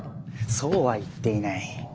そうは言っていない。